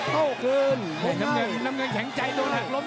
โต้คืนน้ำเงินน้ำเงินแข็งใจโดนหักล้ม